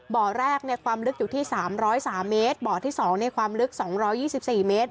บ่อแรกความลึกอยู่ที่๓๐๓เมตรบ่อที่๒ในความลึก๒๒๔เมตร